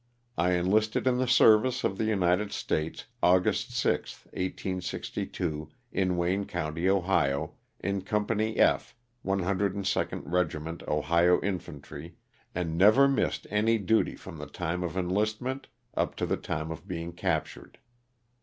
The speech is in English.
I enlisted in the service of the United States, August 6, 1862, in Wayne county, Ohio, in Company F, 102d Regiment Ohio Infantry, and never missed any duty from the time of enlistment up to the time of being captured.